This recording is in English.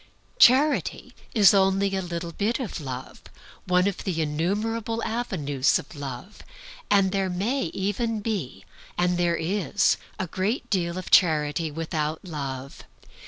Charity is only a little bit of Love, one of the innumerable avenues of Love, and there may even be, and there is, a great deal of charity without Love.